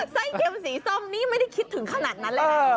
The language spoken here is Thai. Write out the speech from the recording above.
ไส้เค็มสีส้มนี่ไม่ได้คิดถึงขนาดนั้นเลยนะ